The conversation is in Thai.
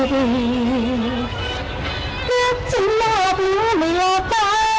เรียกจิ้มหัวหรือไม่หลอกตา